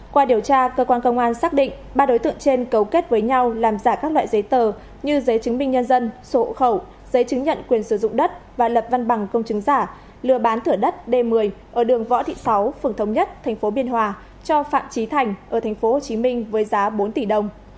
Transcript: qua điều tra cơ quan công an xác định ba đối tượng trên cấu kết với nhau làm giả các loại giấy tờ như giấy chứng minh nhân dân sổ hộ khẩu giấy chứng nhận quyền sử dụng đất và lập văn bằng công chứng giả lừa bán thửa đất d một mươi ở đường võ thị sáu phường thống nhất tp biên hòa cho phạm trí thành ở tp hcm với giá bốn tỷ đồng